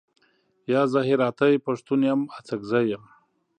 یا، زه هراتۍ پښتون یم، اڅګزی یم.